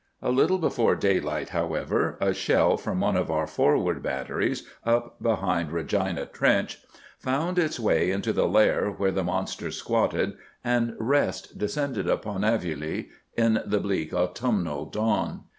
A little before daylight, however, a shell from one of our forward batteries, up behind Regina Trench, found its way into the lair where the monster squatted, and rest descended upon Aveluy in the bleak autumnal dawn.